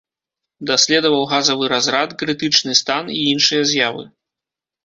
Даследаваў газавы разрад, крытычны стан і іншыя з'явы.